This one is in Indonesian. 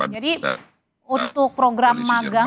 jadi untuk program magang